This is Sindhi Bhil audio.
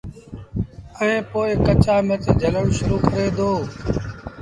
ائيٚݩ پو ڪچآ مرچ جھلڻ شرو ڪري دو